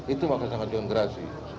itu maksudnya mengajukan gerasi